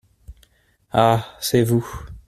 Ah ! c’est vous…